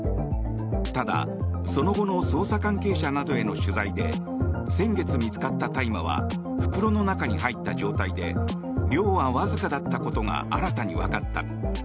ただ、その後の捜査関係者などへの取材で先月見つかった大麻は袋の中に入った状態で量はわずかだったことが新たにわかった。